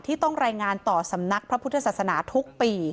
ต้องรายงานต่อสำนักพระพุทธศาสนาทุกปี